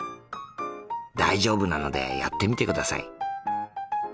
大丈夫なのでやってみてください。